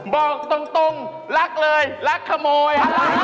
บอกตรงรักเลยรักขโมย